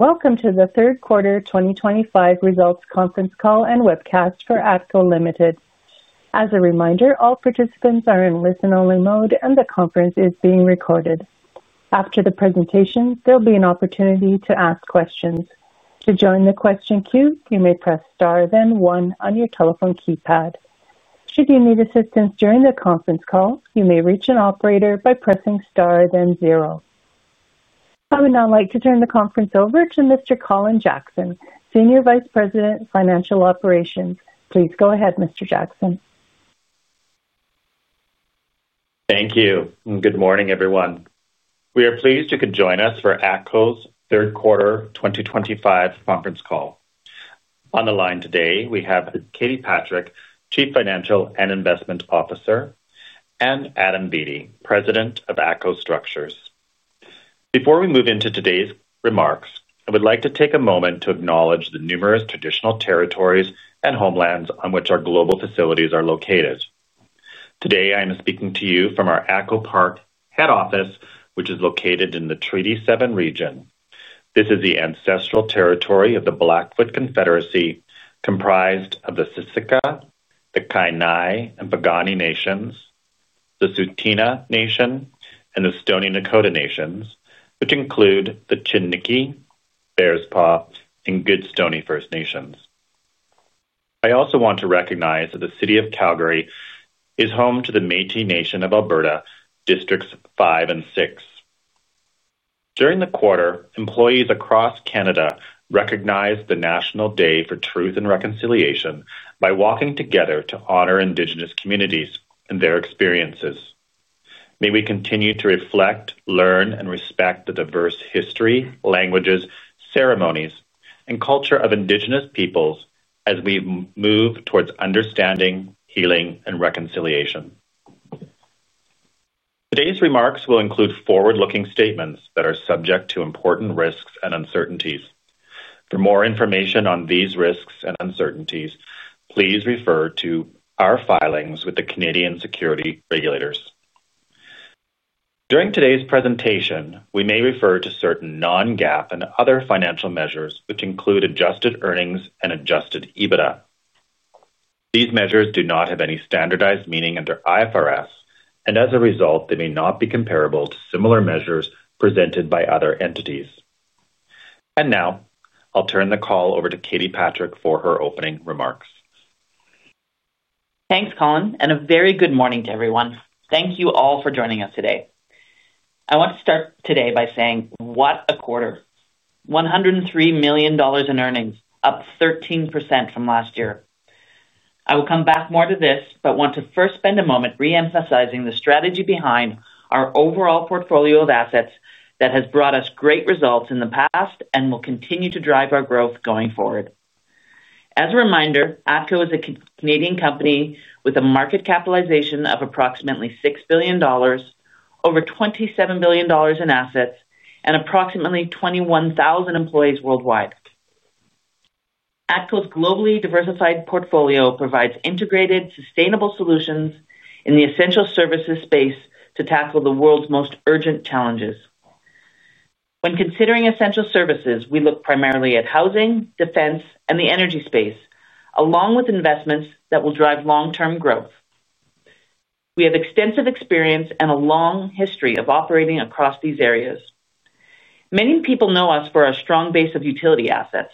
Welcome to the third quarter 2025 results conference call and webcast for ATCO Limited. As a reminder, all participants are in listen-only mode, and the conference is being recorded. After the presentation, there'll be an opportunity to ask questions. To join the question queue, you may press star, then one on your telephone keypad. Should you need assistance during the conference call, you may reach an operator by pressing star, then zero. I would now like to turn the conference over to Mr. Colin Jackson, Senior Vice President, Financial Operations. Please go ahead, Mr. Jackson. Thank you, and good morning, everyone. We are pleased you could join us for ATCO's third quarter 2025 conference call. On the line today, we have Katie Patrick, Chief Financial and Investment Officer, and Adam Beattie, President of ATCO Structures. Before we move into today's remarks, I would like to take a moment to acknowledge the numerous traditional territories and homelands on which our global facilities are located. Today, I am speaking to you from our ATCO Park head office, which is located in the Treaty 7 region. This is the ancestral territory of the Blackfoot Confederacy, comprised of the Siksika, the Kainai, and Piikani Nations, the Tsuut'ina Nation, and the Stoney Nakoda Nations, which include the Chiniki, Bearspaw, and Goodstoney First Nations. I also want to recognize that the City of Calgary is home to the Métis Nation of Alberta, Districts 5 and 6. During the quarter, employees across Canada recognized the National Day for Truth and Reconciliation by walking together to honor Indigenous communities and their experiences. May we continue to reflect, learn, and respect the diverse history, languages, ceremonies, and culture of Indigenous peoples as we move towards understanding, healing, and reconciliation. Today's remarks will include forward-looking statements that are subject to important risks and uncertainties. For more information on these risks and uncertainties, please refer to our filings with the Canadian Security Regulators. During today's presentation, we may refer to certain non-GAAP and other financial measures, which include adjusted earnings and adjusted EBITDA. These measures do not have any standardized meaning under IFRS, and as a result, they may not be comparable to similar measures presented by other entities. I will now turn the call over to Katie Patrick for her opening remarks. Thanks, Colin, and a very good morning to everyone. Thank you all for joining us today. I want to start today by saying, what a quarter! $103 million in earnings, up 13% from last year. I will come back more to this, but want to first spend a moment re-emphasizing the strategy behind our overall portfolio of assets that has brought us great results in the past and will continue to drive our growth going forward. As a reminder, ATCO is a Canadian company with a market capitalization of approximately $6 billion, over $27 billion in assets, and approximately 21,000 employees worldwide. ATCO's globally diversified portfolio provides integrated, sustainable solutions in the essential services space to tackle the world's most urgent challenges. When considering essential services, we look primarily at housing, defense, and the energy space, along with investments that will drive long-term growth. We have extensive experience and a long history of operating across these areas. Many people know us for our strong base of utility assets,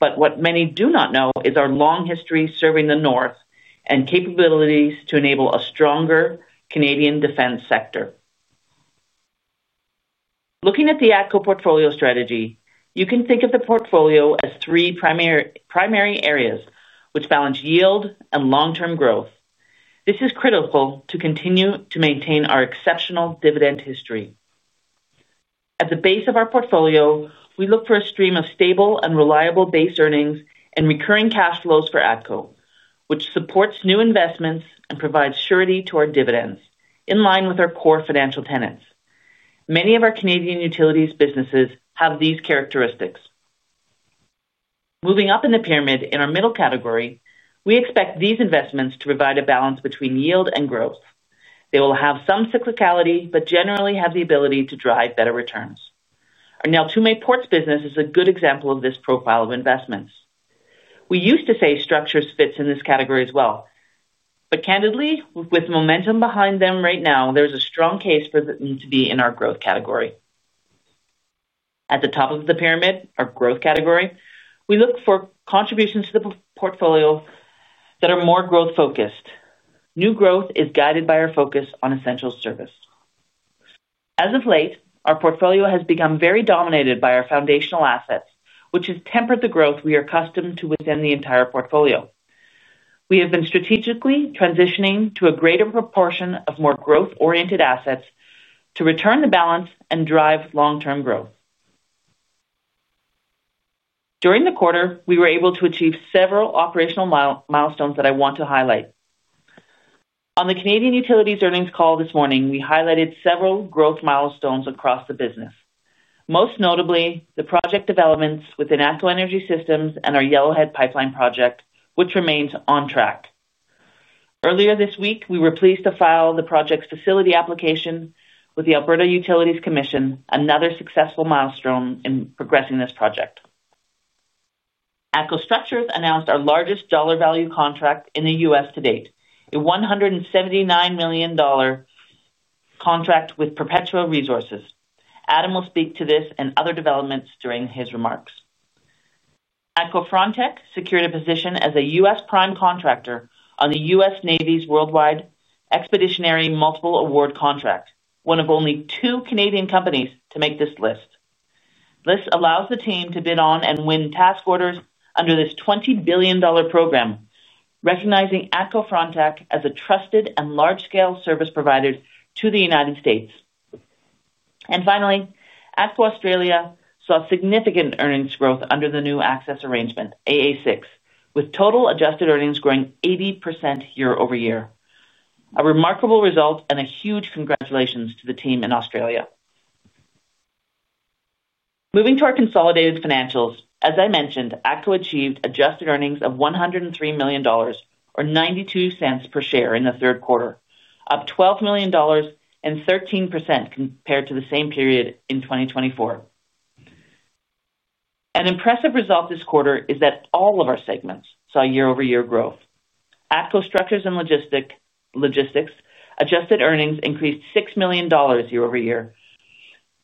but what many do not know is our long history serving the North and capabilities to enable a stronger Canadian defense sector. Looking at the ATCO portfolio strategy, you can think of the portfolio as three primary areas, which balance yield and long-term growth. This is critical to continue to maintain our exceptional dividend history. At the base of our portfolio, we look for a stream of stable and reliable base earnings and recurring cash flows for ATCO, which supports new investments and provides surety to our dividends, in line with our core financial tenets. Many of our Canadian utilities businesses have these characteristics. Moving up in the pyramid in our middle category, we expect these investments to provide a balance between yield and growth. They will have some cyclicality, but generally have the ability to drive better returns. Our Neltume Ports business is a good example of this profile of investments. We used to say structures fit in this category as well, but candidly, with momentum behind them right now, there's a strong case for them to be in our growth category. At the top of the pyramid, our growth category, we look for contributions to the portfolio that are more growth-focused. New growth is guided by our focus on essential service. As of late, our portfolio has become very dominated by our foundational assets, which has tempered the growth we are accustomed to within the entire portfolio. We have been strategically transitioning to a greater proportion of more growth-oriented assets to return the balance and drive long-term growth. During the quarter, we were able to achieve several operational milestones that I want to highlight. On the Canadian Utilities earnings call this morning, we highlighted several growth milestones across the business, most notably the project developments within ATCO Energy Systems and our Yellowhead Pipeline project, which remains on track. Earlier this week, we were pleased to file the project's facility application with the Alberta Utilities Commission, another successful milestone in progressing this project. ATCO Structures announced our largest dollar-value contract in the U.S. to date, a $179 million contract with Perpetua Resources. Adam will speak to this and other developments during his remarks. ATCO Frontec secured a position as a U.S. prime contractor on the U.S. Navy's Worldwide Expeditionary Multiple Award contract, one of only two Canadian companies to make this list. This allows the team to bid on and win task orders under this $20 billion program, recognizing ATCO Frontec as a trusted and large-scale service provider to the United States. Finally, ATCO Australia saw significant earnings growth under the new access arrangement, AA6, with total adjusted earnings growing 80% year-over-year. A remarkable result and a huge congratulations to the team in Australia. Moving to our consolidated financials, as I mentioned, ATCO achieved adjusted earnings of $103 million, or $0.92 per share, in the third quarter, up $12 million and 13% compared to the same period in 2024. An impressive result this quarter is that all of our segments saw year-over-year growth. ATCO Structures & Logistics' adjusted earnings increased $6 million year-over-year.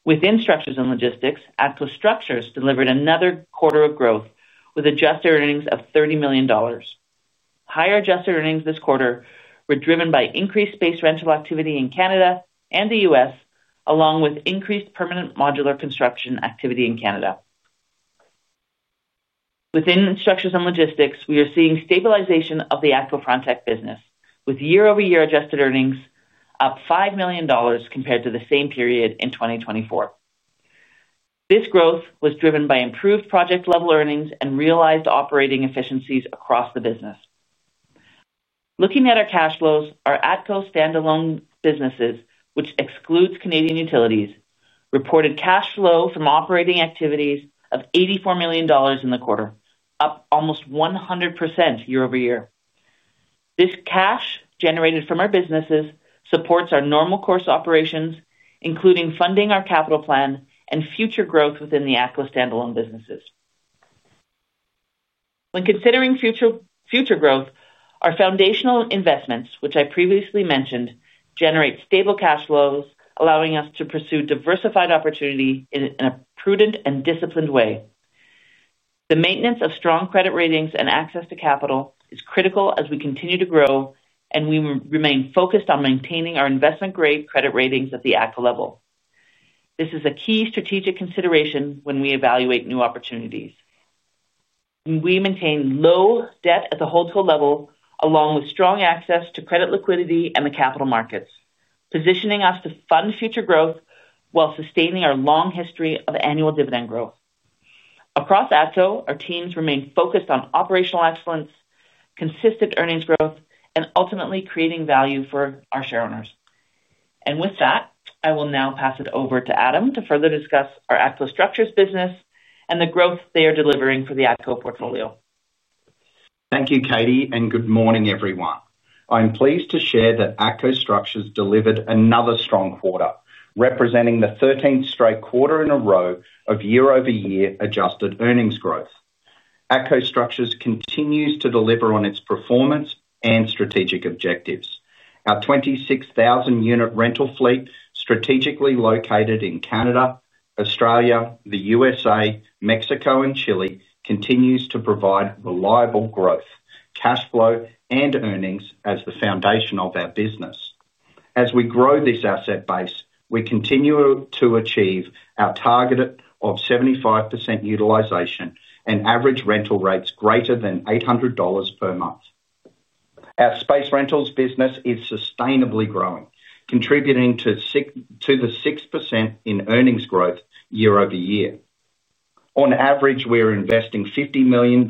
Within Structures & Logistics, ATCO Structures delivered another quarter of growth with adjusted earnings of $30 million. Higher adjusted earnings this quarter were driven by increased space rental activity in Canada and the U.S., along with increased permanent modular construction activity in Canada. Within Structures & Logistics, we are seeing stabilization of the ATCO Frontec business, with year-over-year adjusted earnings up $5 million compared to the same period in 2024. This growth was driven by improved project-level earnings and realized operating efficiencies across the business. Looking at our cash flows, our ATCO standalone businesses, which excludes Canadian Utilities, reported cash flow from operating activities of $84 million in the quarter, up almost 100% year-over-year. This cash generated from our businesses supports our normal course operations, including funding our capital plan and future growth within the ATCO standalone businesses. When considering future growth, our foundational investments, which I previously mentioned, generate stable cash flows, allowing us to pursue diversified opportunity in a prudent and disciplined way. The maintenance of strong credit ratings and access to capital is critical as we continue to grow, and we remain focused on maintaining our investment-grade credit ratings at the ATCO level. This is a key strategic consideration when we evaluate new opportunities. We maintain low debt at the wholesale level, along with strong access to credit liquidity and the capital markets, positioning us to fund future growth while sustaining our long history of annual dividend growth. Across ATCO, our teams remain focused on operational excellence, consistent earnings growth, and ultimately creating value for our shareholders. I will now pass it over to Adam to further discuss our ATCO Structures business and the growth they are delivering for the ATCO portfolio. Thank you, Katie, and good morning, everyone. I'm pleased to share that ATCO Structures delivered another strong quarter, representing the 13th straight quarter in a row of year-over-year adjusted earnings growth. ATCO Structures continues to deliver on its performance and strategic objectives. Our 26,000-unit rental fleet, strategically located in Canada, Australia, the U.S., Mexico, and Chile, continues to provide reliable growth, cash flow, and earnings as the foundation of our business. As we grow this asset base, we continue to achieve our target of 75% utilization and average rental rates greater than $800 per month. Our space rentals business is sustainably growing, contributing to the 6% in earnings growth year-over-year. On average, we are investing $50 million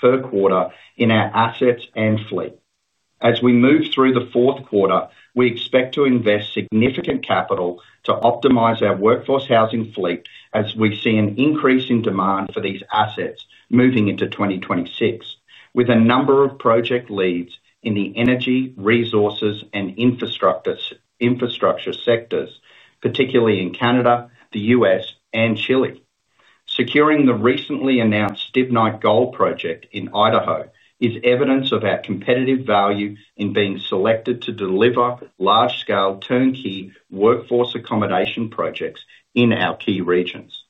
per quarter in our assets and fleet. As we move through the fourth quarter, we expect to invest significant capital to optimize our workforce housing fleet as we see an increase in demand for these assets moving into 2026, with a number of project leads in the energy, resources, and infrastructure sectors, particularly in Canada, the U.S., and Chile. Securing the recently announced Stibnite Gold Project in Idaho is evidence of our competitive value in being selected to deliver large-scale turnkey workforce accommodation projects in our key regions.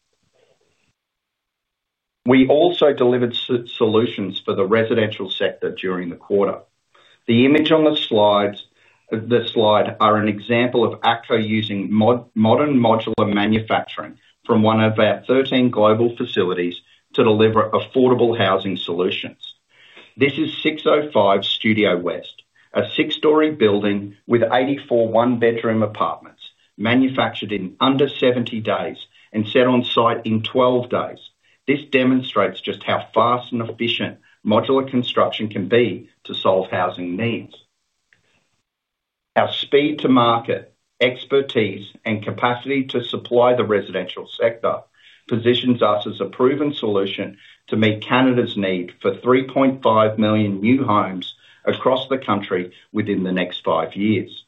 We also delivered solutions for the residential sector during the quarter. The image on the slide is an example of ATCO using modern modular manufacturing from one of our 13 global facilities to deliver affordable housing solutions. This is 605 Studio West, a six-story building with 84 one-bedroom apartments, manufactured in under 70 days and set on site in 12 days. This demonstrates just how fast and efficient modular construction can be to solve housing needs. Our speed to market, expertise, and capacity to supply the residential sector positions us as a proven solution to meet Canada's need for 3.5 million new homes across the country within the next five years.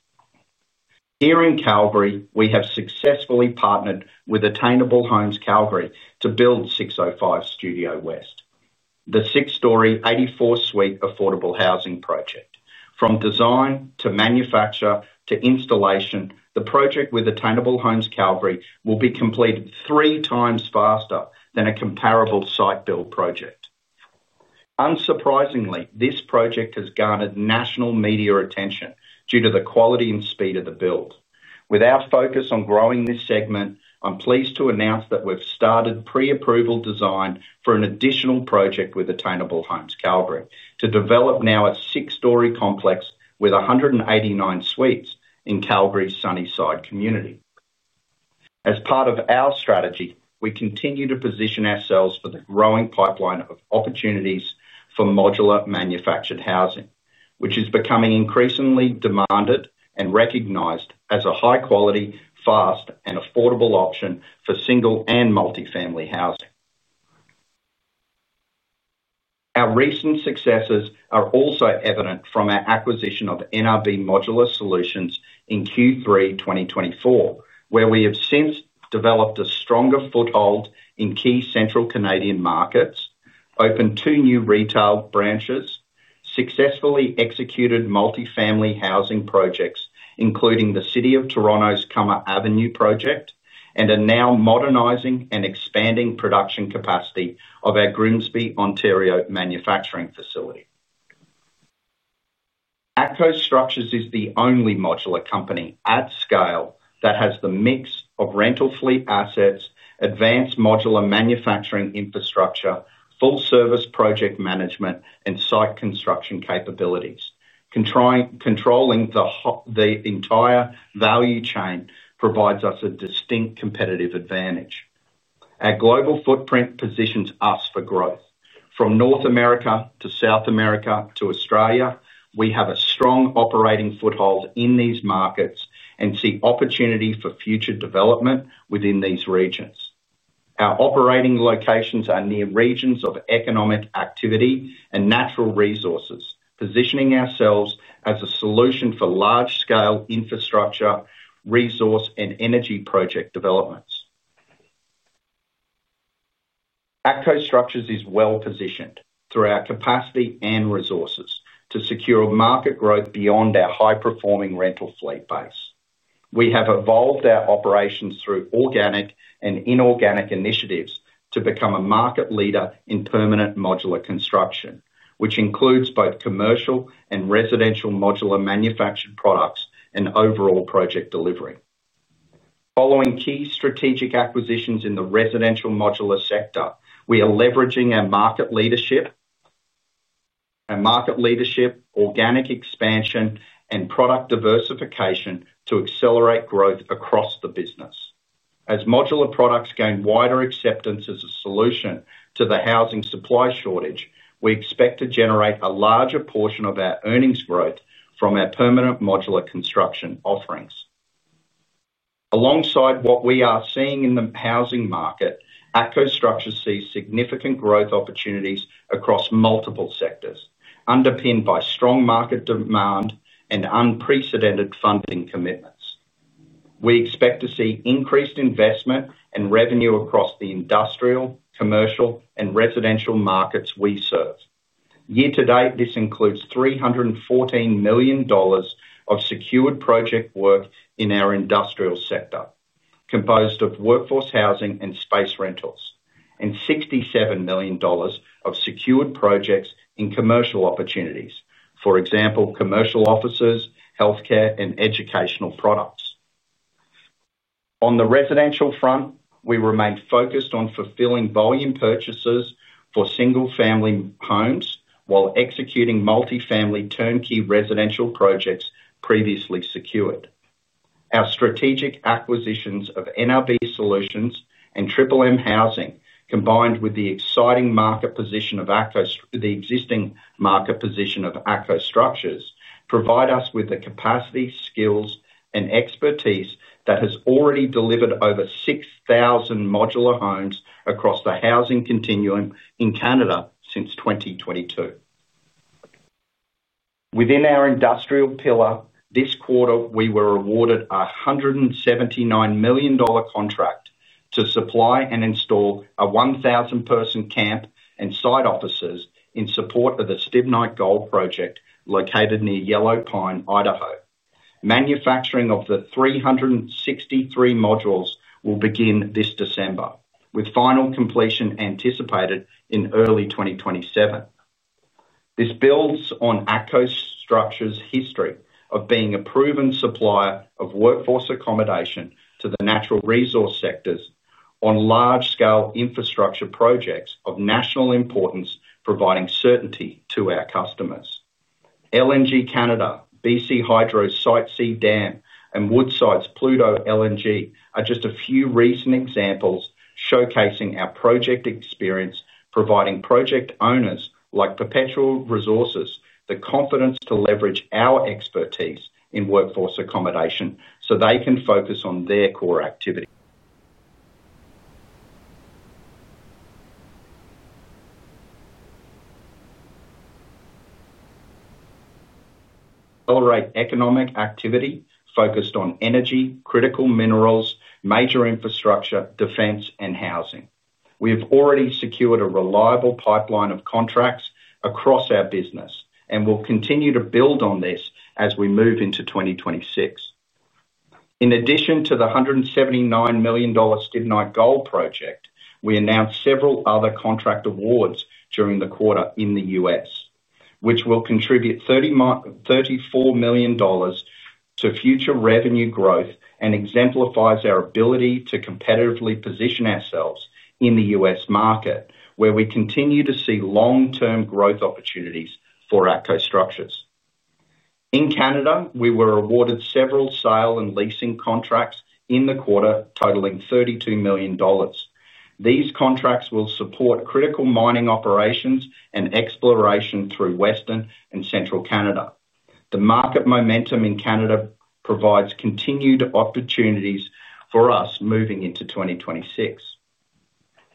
Here in Calgary, we have successfully partnered with Attainable Homes Calgary to build 605 Studio West, the six-story, 84-suite affordable housing project. From design to manufacture to installation, the project with Attainable Homes Calgary will be completed three times faster than a comparable site-build project. Unsurprisingly, this project has garnered national media attention due to the quality and speed of the build. With our focus on growing this segment, I'm pleased to announce that we've started pre-approval design for an additional project with Attainable Homes Calgary to develop now a six-story complex with 189 suites in Calgary's Sunnyside community. As part of our strategy, we continue to position ourselves for the growing pipeline of opportunities for modular manufactured housing, which is becoming increasingly demanded and recognized as a high-quality, fast, and affordable option for single and multi-family housing. Our recent successes are also evident from our acquisition of NRB Modular Solutions in Q3 2024, where we have since developed a stronger foothold in key central Canadian markets, opened two new retail branches, successfully executed multi-family housing projects, including the City of Toronto's Cummer Avenue project, and are now modernizing and expanding production capacity of our Grimsby, Ontario manufacturing facility. ATCO Structures is the only modular company at scale that has the mix of rental fleet assets, advanced modular manufacturing infrastructure, full-service project management, and site construction capabilities. Controlling the entire value chain provides us a distinct competitive advantage. Our global footprint positions us for growth. From North America to South America to Australia, we have a strong operating foothold in these markets and see opportunity for future development within these regions. Our operating locations are near regions of economic activity and natural resources, positioning ourselves as a solution for large-scale infrastructure, resource, and energy project developments. ATCO Structures is well-positioned through our capacity and resources to secure market growth beyond our high-performing rental fleet base. We have evolved our operations through organic and inorganic initiatives to become a market leader in permanent modular construction, which includes both commercial and residential modular manufactured products and overall project delivery. Following key strategic acquisitions in the residential modular sector, we are leveraging our market leadership, organic expansion, and product diversification to accelerate growth across the business. As modular products gain wider acceptance as a solution to the housing supply shortage, we expect to generate a larger portion of our earnings growth from our permanent modular construction offerings. Alongside what we are seeing in the housing market, ATCO Structures sees significant growth opportunities across multiple sectors, underpinned by strong market demand and unprecedented funding commitments. We expect to see increased investment and revenue across the industrial, commercial, and residential markets we serve. Year to date, this includes $314 million of secured project work in our industrial sector, composed of workforce housing and space rentals, and $67 million of secured projects in commercial opportunities, for example, commercial offices, healthcare, and educational products. On the residential front, we remain focused on fulfilling volume purchases for single-family homes while executing multi-family turnkey residential projects previously secured. Our strategic acquisitions of NRB Modular Solutions and Triple M Housing, combined with the exciting market position of ATCO, the existing market position of ATCO Structures, provide us with the capacity, skills, and expertise that has already delivered over 6,000 modular homes across the housing continuum in Canada since 2022. Within our industrial pillar, this quarter, we were awarded a $179 million contract to supply and install a 1,000-person camp and site offices in support of the Stibnite Gold Project located near Yellow Pine, Idaho. Manufacturing of the 363 modules will begin this December, with final completion anticipated in early 2027. This builds on ATCO Structures' history of being a proven supplier of workforce accommodation to the natural resource sectors on large-scale infrastructure projects of national importance, providing certainty to our customers. LNG Canada, BC Hydro's Site C Dam, and Woodside's Pluto LNG are just a few recent examples showcasing our project experience, providing project owners like Perpetua Resources the confidence to leverage our expertise in workforce accommodation so they can focus on their core activity. Accelerate economic activity focused on energy, critical minerals, major infrastructure, defense, and housing. We have already secured a reliable pipeline of contracts across our business and will continue to build on this as we move into 2026. In addition to the $179 million Stibnite Gold Project, we announced several other contract awards during the quarter in the U.S., which will contribute $34 million to future revenue growth and exemplifies our ability to competitively position ourselves in the U.S. market, where we continue to see long-term growth opportunities for ATCO Structures. In Canada, we were awarded several sale and leasing contracts in the quarter totaling $32 million. These contracts will support critical mining operations and exploration through Western and Central Canada. The market momentum in Canada provides continued opportunities for us moving into 2026.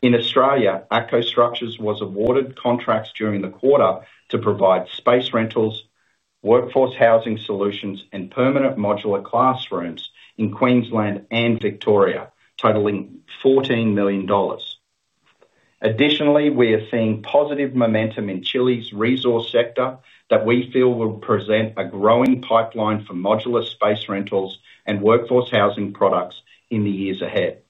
In Australia, ATCO Structures was awarded contracts during the quarter to provide space rentals, workforce housing solutions, and permanent modular classrooms in Queensland and Victoria, totaling 14 million dollars. Additionally, we are seeing positive momentum in Chile's resource sector that we feel will present a growing pipeline for modular space rentals and workforce housing products in the years ahead.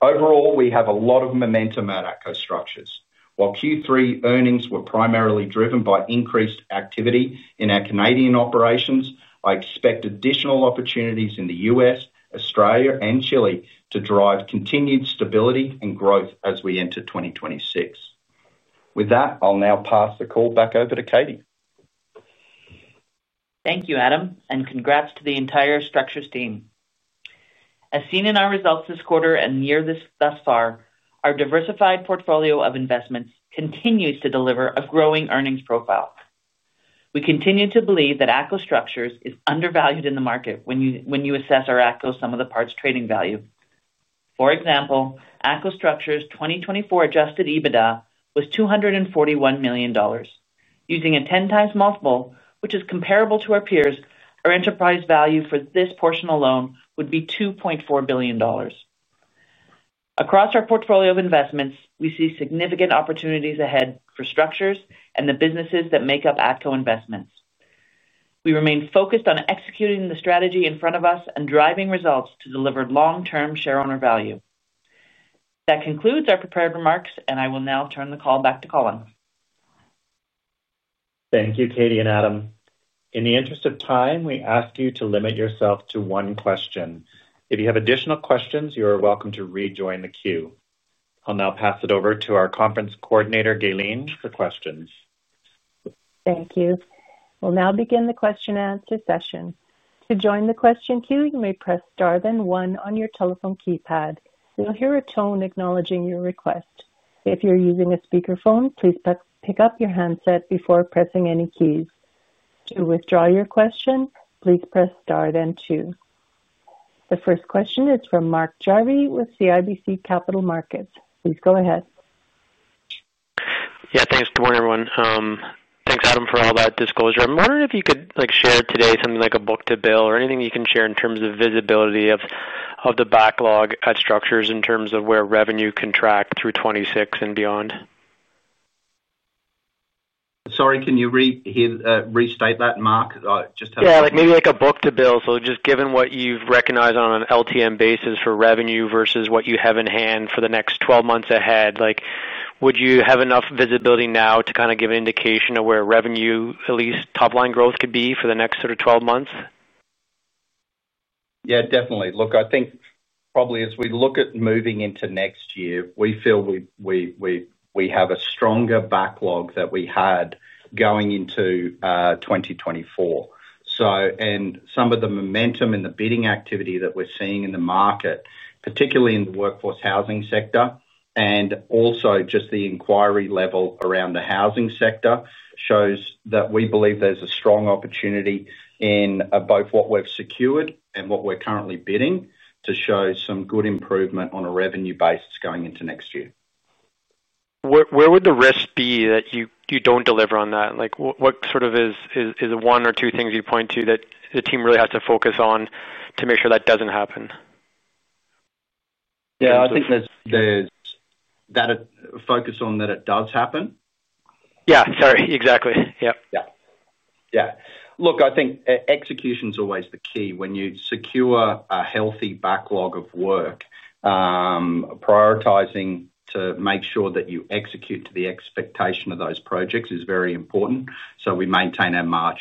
Overall, we have a lot of momentum at ATCO Structures. While Q3 earnings were primarily driven by increased activity in our Canadian operations, I expect additional opportunities in the U.S., Australia, and Chile to drive continued stability and growth as we enter 2026. With that, I'll now pass the call back over to Katie. Thank you, Adam, and congrats to the entire structures team. As seen in our results this quarter and year thus far, our diversified portfolio of investments continues to deliver a growing earnings profile. We continue to believe that ATCO Structures is undervalued in the market when you assess our ATCO some of the parts trading value. For example, ATCO Structures' 2024 adjusted EBITDA was $241 million. Using a 10x multiple, which is comparable to our peers, our enterprise value for this portion alone would be $2.4 billion. Across our portfolio of investments, we see significant opportunities ahead for structures and the businesses that make up ATCO investments. We remain focused on executing the strategy in front of us and driving results to deliver long-term shareholder value. That concludes our prepared remarks, and I will now turn the call back to Colin. Thank you, Katie and Adam. In the interest of time, we ask you to limit yourself to one question. If you have additional questions, you are welcome to rejoin the queue. I'll now pass it over to our conference coordinator, Gayleen, for questions. Thank you. We'll now begin the question-and-answer session. To join the question queue, you may press star then one on your telephone keypad. You'll hear a tone acknowledging your request. If you're using a speakerphone, please pick up your handset before pressing any keys. To withdraw your question, please press star then two. The first question is from Mark Jarvi with CIBC Capital Markets. Please go ahead. Yeah, thanks. Good morning, everyone. Thanks, Adam, for all that disclosure. I'm wondering if you could share today something like a book to bill or anything you can share in terms of visibility of the backlog at Structures in terms of where revenue can track through 2026 and beyond. Sorry, can you restate that, Mark? Yeah, maybe like a book to bill. Just given what you've recognized on an LTM basis for revenue versus what you have in hand for the next 12 months ahead, would you have enough visibility now to kind of give an indication of where revenue, at least top-line growth, could be for the next sort of 12 months? Yeah, definitely. Look, I think probably as we look at moving into next year, we feel we have a stronger backlog than we had going into 2024. Some of the momentum and the bidding activity that we're seeing in the market, particularly in the workforce housing sector, and also just the inquiry level around the housing sector, shows that we believe there's a strong opportunity in both what we've secured and what we're currently bidding to show some good improvement on a revenue base going into next year. Where would the risk be that you don't deliver on that? What sort of is one or two things you point to that the team really has to focus on to make sure that doesn't happen? Yeah, I think there's that focus on that it does happen. Yeah, sorry. Exactly. Yeah. Yeah. Yeah. Look, I think execution is always the key. When you secure a healthy backlog of work, prioritizing to make sure that you execute to the expectation of those projects is very important so we maintain our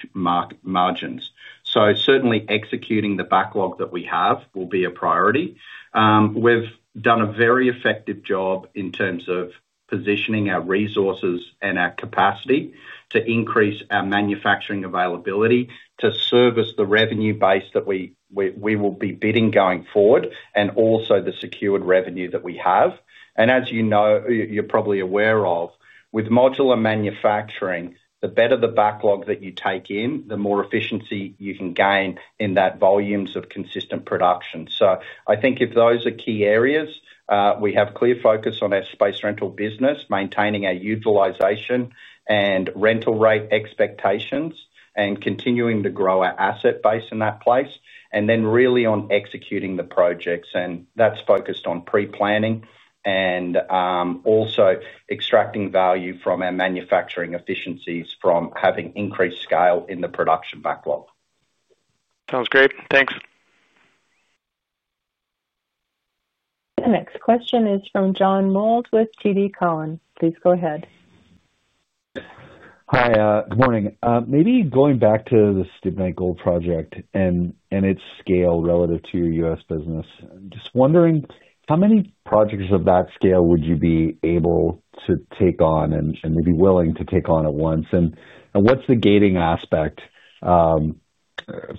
margins. Certainly, executing the backlog that we have will be a priority. We've done a very effective job in terms of positioning our resources and our capacity to increase our manufacturing availability to service the revenue base that we will be bidding going forward and also the secured revenue that we have. As you know, you're probably aware of, with modular manufacturing, the better the backlog that you take in, the more efficiency you can gain in that volumes of consistent production. I think if those are key areas, we have clear focus on our space rental business, maintaining our utilization and rental rate expectations, and continuing to grow our asset base in that place, and then really on executing the projects. That is focused on pre-planning and also extracting value from our manufacturing efficiencies from having increased scale in the production backlog. Sounds great. Thanks. The next question is from John Mould with TD Cowen, please go ahead. Hi, good morning. Maybe going back to the Stibnite Gold project and its scale relative to your U.S. business, just wondering how many projects of that scale would you be able to take on and maybe willing to take on at once? What is the gating aspect for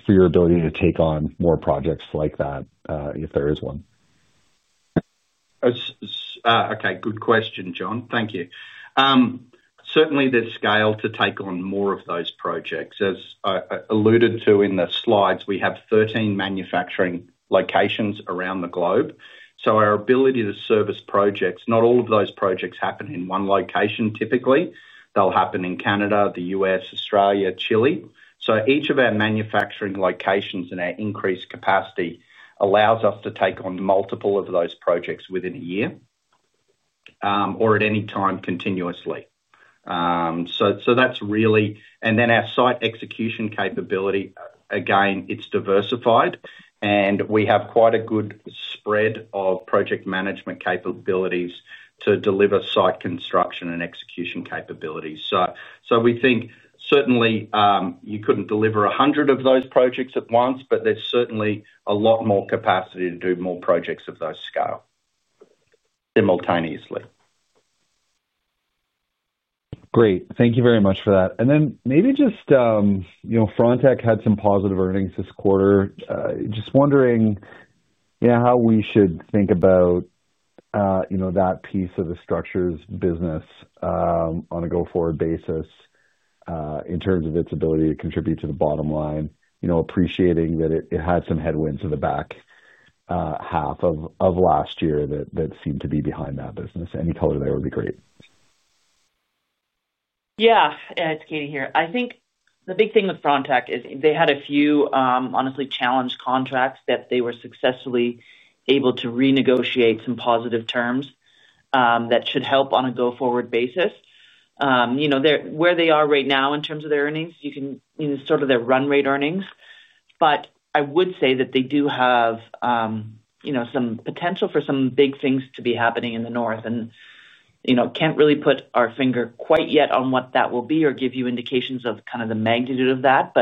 your ability to take on more projects like that if there is one? Okay, good question, John. Thank you. Certainly, the scale to take on more of those projects. As alluded to in the slides, we have 13 manufacturing locations around the globe. Our ability to service projects, not all of those projects happen in one location typically. They'll happen in Canada, the U.S., Australia, Chile. Each of our manufacturing locations and our increased capacity allows us to take on multiple of those projects within a year or at any time continuously. That's really, and then our site execution capability, again, it's diversified, and we have quite a good spread of project management capabilities to deliver site construction and execution capabilities. We think certainly you couldn't deliver 100 of those projects at once, but there's certainly a lot more capacity to do more projects of those scale simultaneously. Great. Thank you very much for that. Maybe just Frontec had some positive earnings this quarter. Just wondering how we should think about that piece of the structures business on a go-forward basis in terms of its ability to contribute to the bottom line, appreciating that it had some headwinds in the back half of last year that seemed to be behind that business. Any color there would be great. Yeah, it's Katie here. I think the big thing with Frontec is they had a few, honestly, challenged contracts that they were successfully able to renegotiate some positive terms that should help on a go-forward basis. Where they are right now in terms of their earnings, you can sort of see their run rate earnings, but I would say that they do have some potential for some big things to be happening in the north. I can't really put our finger quite yet on what that will be or give you indications of kind of the magnitude of that.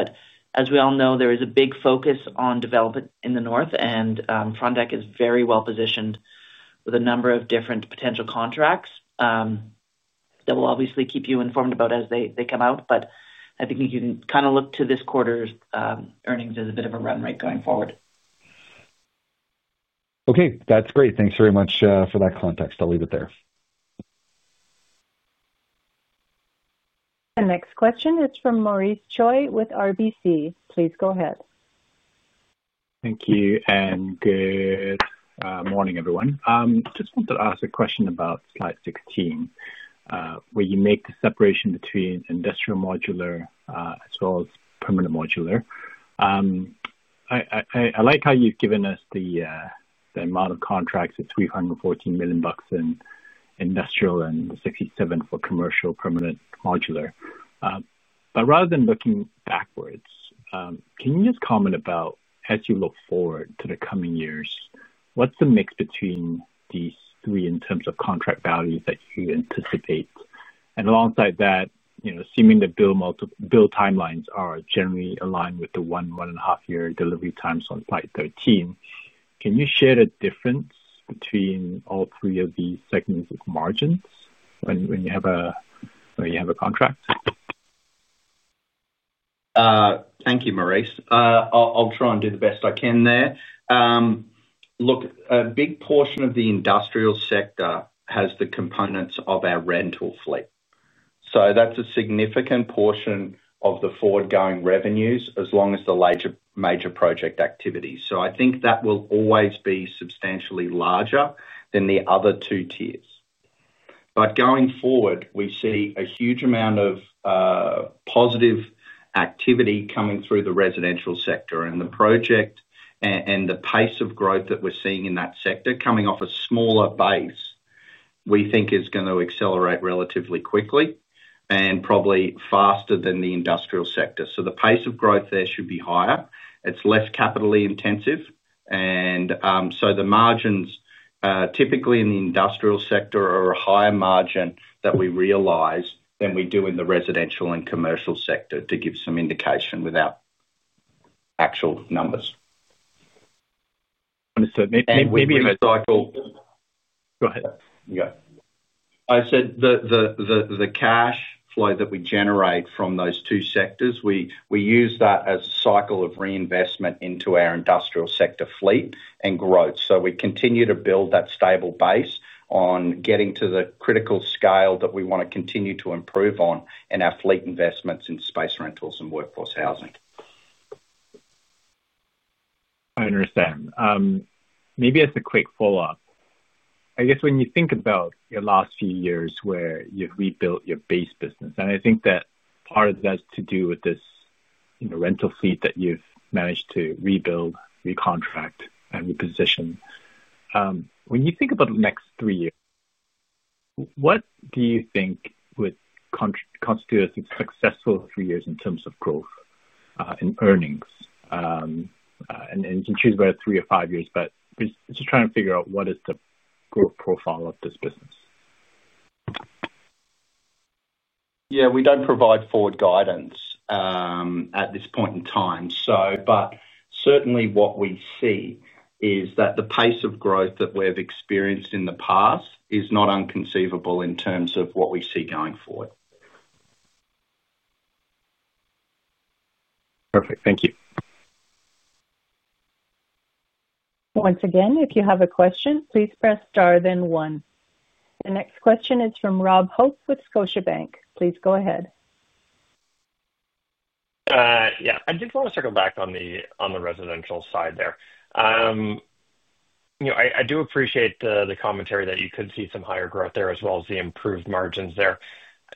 As we all know, there is a big focus on development in the north, and Frontec is very well positioned with a number of different potential contracts that we will obviously keep you informed about as they come out. I think you can kind of look to this quarter's earnings as a bit of a run rate going forward. Okay. That's great. Thanks very much for that context. I'll leave it there. The next question is from Maurice Choy with RBC. Please go ahead. Thank you. Good morning, everyone. Just wanted to ask a question about slide 16. Will you make the separation between industrial modular as well as permanent modular? I like how you've given us the amount of contracts at $314 million in industrial and $67 million for commercial permanent modular. Rather than looking backwards, can you just comment about, as you look forward to the coming years, what's the mix between these three in terms of contract values that you anticipate? Alongside that, assuming the bill timelines are generally aligned with the one, one-and-a-half-year delivery times on slide 13, can you share the difference between all three of these segments of margins when you have a contract? Thank you, Maurice. I'll try and do the best I can there. Look, a big portion of the industrial sector has the components of our rental fleet. That is a significant portion of the forward-going revenues as long as the major project activity. I think that will always be substantially larger than the other two tiers. Going forward, we see a huge amount of positive activity coming through the residential sector. The project and the pace of growth that we're seeing in that sector coming off a smaller base, we think, is going to accelerate relatively quickly and probably faster than the industrial sector. The pace of growth there should be higher. It's less capitally intensive. The margins, typically in the industrial sector, are a higher margin that we realize than we do in the residential and commercial sector, to give some indication without actual numbers. Maybe a cycle. Go ahead. You go. I said the cash flow that we generate from those two sectors, we use that as a cycle of reinvestment into our industrial sector fleet and growth. We continue to build that stable base on getting to the critical scale that we want to continue to improve on in our fleet investments in space rentals and workforce housing. I understand. Maybe as a quick follow-up, I guess when you think about your last few years where you've rebuilt your base business, and I think that part of that has to do with this rental fleet that you've managed to rebuild, recontract, and reposition. When you think about the next three years, what do you think would constitute a successful three years in terms of growth in earnings? You can choose about three or five years, but just trying to figure out what is the growth profile of this business. Yeah, we do not provide forward guidance at this point in time. Certainly, what we see is that the pace of growth that we have experienced in the past is not unconceivable in terms of what we see going forward. Perfect. Thank you. Once again, if you have a question, please press star then one. The next question is from Rob Hope with Scotiabank. Please go ahead. Yeah. I just want to circle back on the residential side there. I do appreciate the commentary that you could see some higher growth there as well as the improved margins there.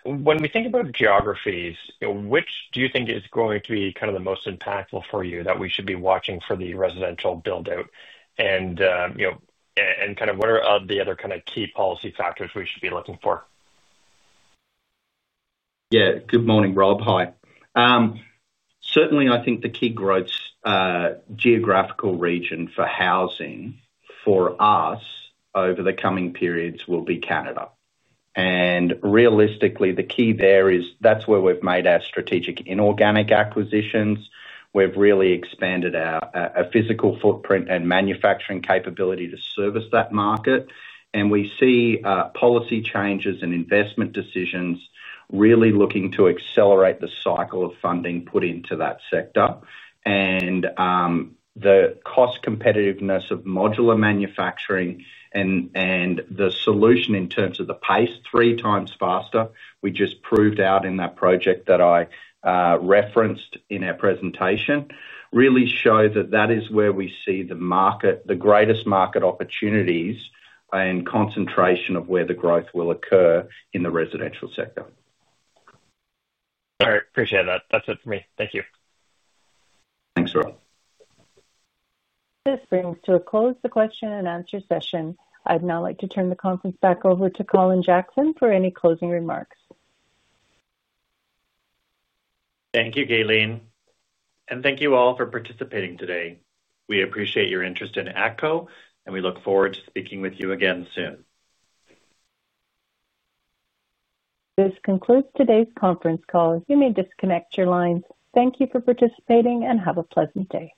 When we think about geographies, which do you think is going to be kind of the most impactful for you that we should be watching for the residential build-out? What are the other kind of key policy factors we should be looking for? Yeah. Good morning, Rob. Hi. Certainly, I think the key growth geographical region for housing for us over the coming periods will be Canada. Realistically, the key there is that's where we've made our strategic inorganic acquisitions. We've really expanded our physical footprint and manufacturing capability to service that market. We see policy changes and investment decisions really looking to accelerate the cycle of funding put into that sector. The cost competitiveness of modular manufacturing and the solution in terms of the pace, three times faster, we just proved out in that project that I referenced in our presentation, really show that that is where we see the greatest market opportunities and concentration of where the growth will occur in the residential sector. All right. Appreciate that. That's it for me. Thank you. Thanks, Rob. This brings to a close the question-and-answer session. I'd now like to turn the conference back over to Colin Jackson for any closing remarks. Thank you, Gayleen. Thank you all for participating today. We appreciate your interest in ATCO, and we look forward to speaking with you again soon. This concludes today's conference call. You may disconnect your lines. Thank you for participating and have a pleasant day.